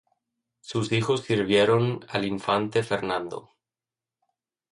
Sus hijos sirvieron al infante Fernando.